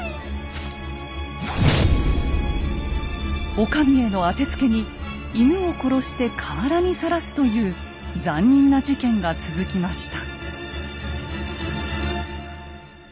お上への当てつけに犬を殺して河原にさらすという残忍な事件が続きました。